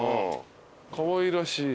かわいらしい。